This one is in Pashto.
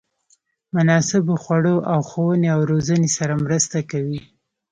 مناسبو خوړو او ښوونې او روزنې سره مرسته کوي.